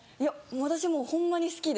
私もホンマに好きで。